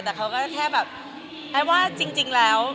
แต่เขาก็แค่แบบไอ้ว่าจริงแล้ว